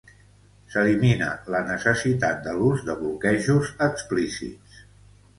S'elimina la necessitat de l'ús de bloquejos explícits.